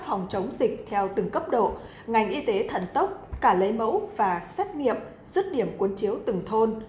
công tác phòng chống dịch theo từng cấp độ ngành y tế thận tốc cả lấy mẫu và xét nghiệm rứt điểm cuốn chiếu từng thôn